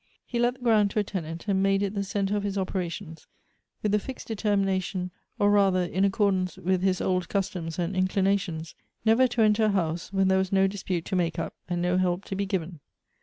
He let the ground to a tenant, and made it the centre of his operations, with the fixed de termination, or rather in accordance with his old customs and inclinations, never to enter a house where there was no dispute to make up, and no help to be given.